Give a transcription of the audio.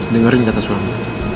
dengerin kata suami